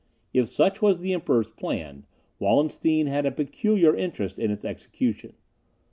If such was the Emperor's plan, Wallenstein had a peculiar interest in its execution.